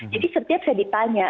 jadi setiap saya ditanya